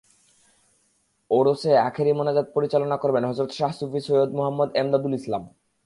ওরসে আখেরি মোনাজাত পরিচালনা করবেন হজরত শাহ সুফি সৈয়দ মুহাম্মদ এমদাদুল ইসলাম।